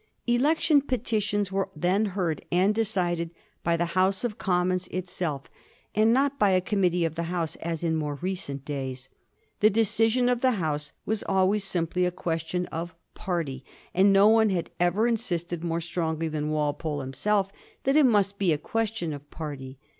Election petitions were then heard and decided by the House of Commons itself, and not by a committee of the House, as in more recent days. The decision of the House was always simply a question of party; and no one had ever insisted more strongly than Walpole himself that it must be a question of party.